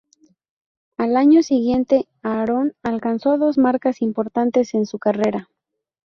Al año siguiente, Aaron alcanzó dos marcas importantes en su carrera.